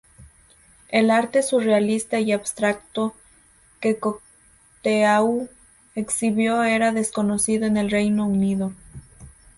El arte surrealista y abstracto que Cocteau exhibió era desconocido en el Reino Unido.